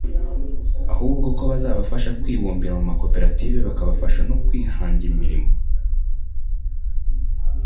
ahubwo ko bazabafasha kwibumbira mu makoperative bakabafasha no kwihangira imirimo